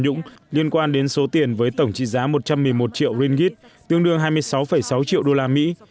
nhũng liên quan đến số tiền với tổng trị giá một trăm một mươi một triệu ringgit tương đương hai mươi sáu sáu triệu đô la mỹ